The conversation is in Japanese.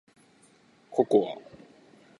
ココア